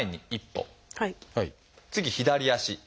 次左足。